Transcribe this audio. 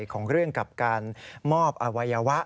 ของเรื่องกับการมอบอวัยวะ